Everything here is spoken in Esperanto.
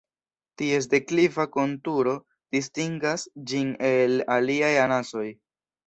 Ties dekliva konturo distingas ĝin el aliaj anasoj.